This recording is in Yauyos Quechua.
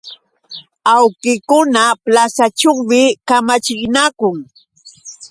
Awkikuna plasaćhuumi kamachinakun.